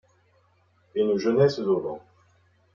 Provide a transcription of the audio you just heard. Et nos jeunesses aux vents.